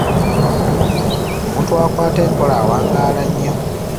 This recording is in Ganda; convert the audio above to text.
Omuntu akwata empola awangaala nnyo.